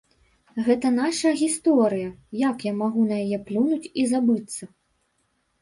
Гэта наша гісторыя, як я магу на яе плюнуць і забыцца.